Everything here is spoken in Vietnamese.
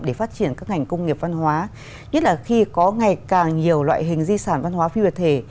để phát triển các ngành công nghiệp văn hóa nhất là khi có ngày càng nhiều loại hình di sản văn hóa phi vật thể